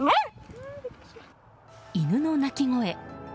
犬の鳴き声。